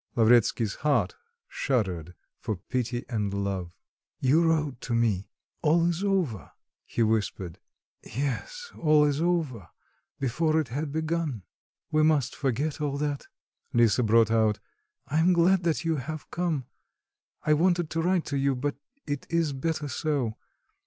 Lavretsky's heart shuddered for pity and love. "You wrote to me; all is over," he whispered, "yes, all is over before it had begun." "We must forget all that," Lisa brought out; "I am glad that you have come; I wanted to write to you, but it is better so.